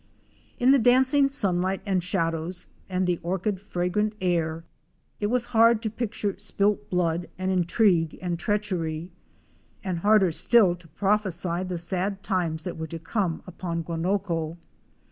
In the dancing sunlight and shadows and the orchid fragrant air it was hard to picture spilt blood and intrigue and treachery, and harder still to prophesy the sad times that were to come upon Guanoco.